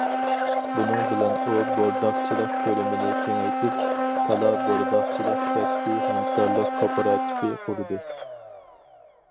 بۇنىڭ بىلەن ئۇ بورداقچىلىق كۆلىمىنى كېڭەيتىپ، كالا بورداقچىلىق كەسپىي ھەمكارلىق كوپىراتىپى قۇردى.